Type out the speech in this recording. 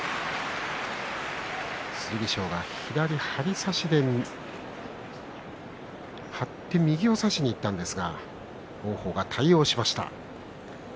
剣翔が左、張り差しで出るところ右を差しにいったんですが王鵬が対応しました。